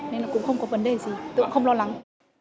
nên là cũng không có vấn đề gì tôi cũng không lo lắng